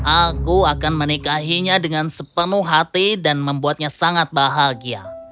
aku akan menikahinya dengan sepenuh hati dan membuatnya sangat bahagia